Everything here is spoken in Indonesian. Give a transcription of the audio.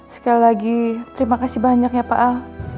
sekali lagi terima kasih banyak ya pak al